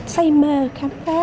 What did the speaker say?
xây mơ khám phá